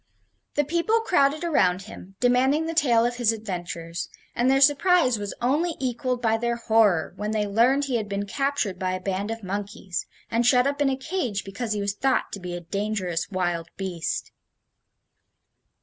The people crowded around him, demanding the tale of his adventures, and their surprise was only equaled by their horror when they learned he had been captured by a band of monkeys, and shut up in a cage because he was thought to be a dangerous wild beast.